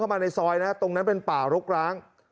เข้ามาในซอยนะครับตรงนั้นเป็นป่าลกล้าง